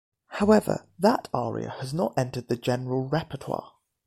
However, that aria has not entered the general repertoire.